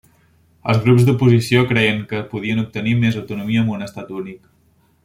Els grups d'oposició creien que podien obtenir més autonomia amb un estat únic.